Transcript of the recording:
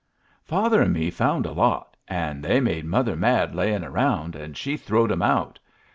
"Father an' me found a lot, an' they made mother mad laying around, an' she throwed 'em out.